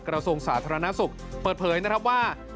กระทรวงสาธารณสุขเปิดเผยนะครับว่า